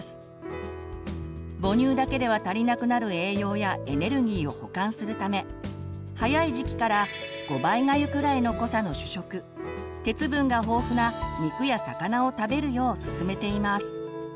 母乳だけでは足りなくなる栄養やエネルギーを補完するため早い時期から５倍がゆくらいの濃さの主食鉄分が豊富な肉や魚を食べるようすすめています。